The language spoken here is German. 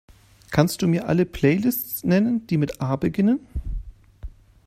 Kannst Du mir alle Playlists nennen, die mit A beginnen?